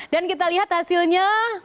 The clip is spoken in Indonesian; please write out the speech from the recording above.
dan kita lihat hasilnya